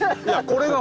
これが？